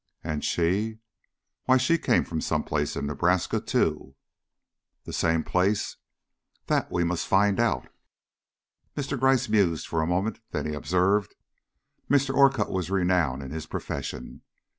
"And she?" "Why, she came from some place in Nebraska too!" "The same place?" "That we must find out." Mr. Gryce mused for a minute; then he observed: "Mr. Orcutt was renowned in his profession.